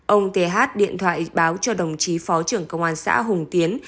ông thế hát điện thoại báo cho đồng trí phó trưởng công an xã hùng tiến